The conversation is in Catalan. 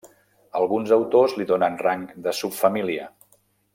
Alguns autors li donen rang de subfamília.